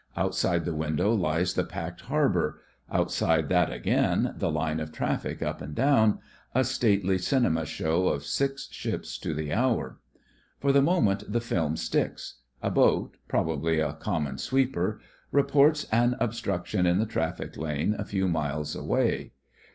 Outside the window lies the packed harbour — outside that again the line of traffic up and down — a stately cinema show of six ships to the hour. For the moment the film sticks. A boat — probably a "common sweeper" — reports an obstruction in the traffic lane a few miles away.